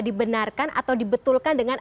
dibenarkan atau dibetulkan dengan